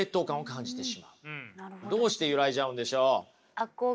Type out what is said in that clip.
どうして揺らいじゃうんでしょう？